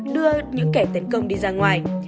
đưa những kẻ tấn công đi ra ngoài